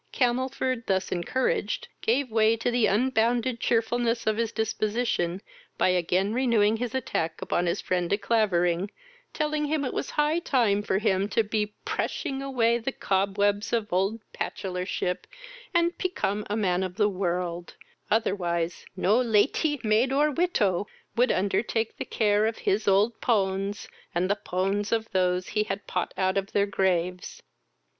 Camelford, thus encouraged, gave way to the unbounded cheerfulness of his disposition, by again renewing his attack upon his friend De Clavering, telling him it was high time for him to be prushing away the cobwebs of old patchelorship, and pecome a man of the world, otherwise no laty, maid, or witow, would undertake the care of his old pones, and the pones of those he had pought out of their craves.